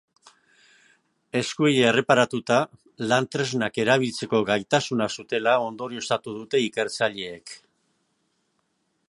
Eskuei erreparatuta, lan-tresnak erabiltzeko gaitasuna zutela ondorioztatu dute ikertzaileek.